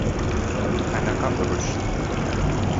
— Qanaqa urush?